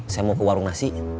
saya mau ke warung nasi